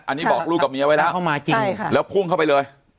อันนี้บอกลูกกับเมียไว้แล้วแล้วพุ่งเข้าไปเลย